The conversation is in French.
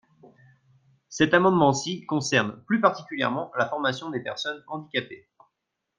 Cet amendement-ci concerne plus particulièrement la formation des personnes handicapées.